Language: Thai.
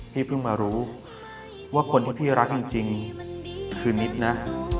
พี่เพิ่งมารู้ว่าคนที่พี่รักจริงคือนิดนะ